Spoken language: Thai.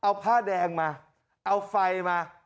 เอาผ้าแดงมาเอาไฟมา